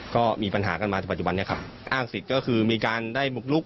ก็มีปัญหากันมาจากปัจจุบันนี้ครับอ้างสิทธิ์ก็คือมีการได้บุกลุก